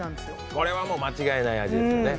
これはもう間違いない味ですよ、。